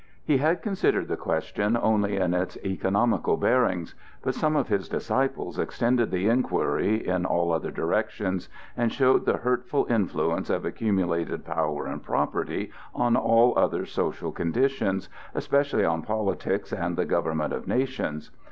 He had considered the question only in its economical bearings; but some of his disciples extended the inquiry in all other directions, and showed the hurtful influence of accumulated power and property on all other social conditions, especially on politics and the government of nations.